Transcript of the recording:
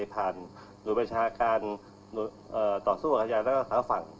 ผ่านนวลประชาการต่อสู้อากสยัยและสามฝั่ง